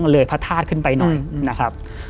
เลยพระธาตุขึ้นไปหน่อยนะครับ